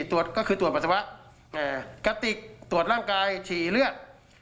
ตรวจก็คือตรวจปัสสาวะแต่กระติกตรวจร่างกายฉี่เลือด